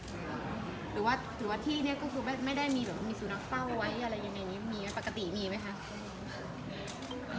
หรือว่าที่นี่ก็ไม่ได้มีสูนักเฝ้าไว้อะไรยังไงปกติมีไหมคะ